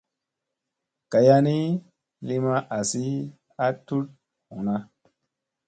Gaya ni li ma azi a tut huna.